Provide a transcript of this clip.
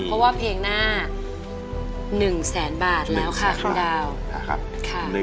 เพราะว่าเพลงหน้า๑แสนบาทแล้วค่ะคุณดาว